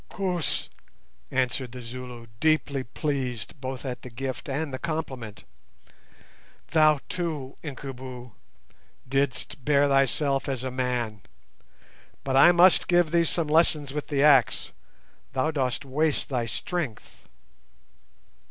"Koos!" answered the Zulu, deeply pleased both at the gift and the compliment. "Thou, too, Incubu, didst bear thyself as a man, but I must give thee some lessons with the axe; thou dost waste thy strength."